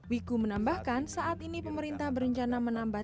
wiku menambahkan saat ini pemerintah berencana menambah